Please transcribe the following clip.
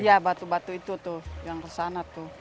iya batu batu itu tuh yang kesana tuh